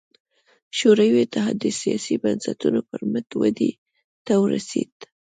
شوروي اتحاد د سیاسي بنسټونو پر مټ ودې ته ورسېد.